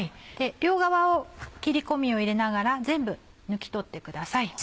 両側を切り込みを入れながら全部抜き取ってください。